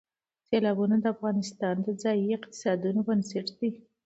سیلابونه د افغانستان د ځایي اقتصادونو بنسټ دی.